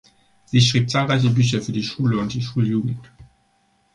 Sie schrieb zahlreiche Bücher für die Schule und die Schuljugend.